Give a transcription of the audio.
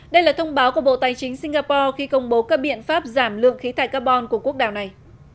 đây là thông báo của bộ tài chính singapore khi công bố các biện pháp giảm lượng khí thải carbon của quốc đảo này